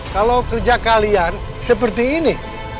kalau kerja kalian seperti ini